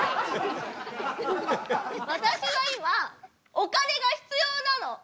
私は今お金が必要なの！